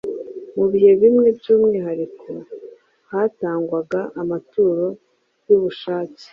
Mu bihe bimwe by’umwihariko hatangwaga amaturo y’ubushake.